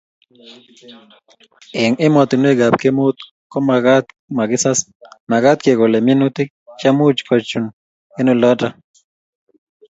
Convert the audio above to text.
eng ematinwek ab Kemeut ko magatmakisas, magat kekolee minutik che much kochun eng' olindok